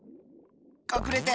かくれて！